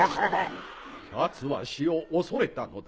貴奴は死を恐れたのだ